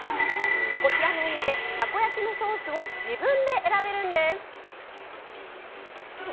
こちらのお店、たこ焼きのソースを自分で選べるんです。